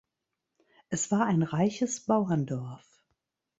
Es war ein reiches Bauerndorf.